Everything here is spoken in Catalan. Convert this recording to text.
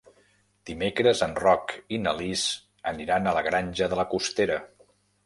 Dimecres en Roc i na Lis aniran a la Granja de la Costera.